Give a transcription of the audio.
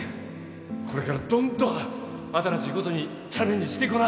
これからどんどん新しいことにチャレンジしていこな。